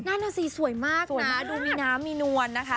นั่นน่ะสิสวยมากนะดูมีน้ำมีนวลนะคะ